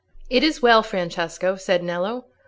"It is well, Francesco," said Nello.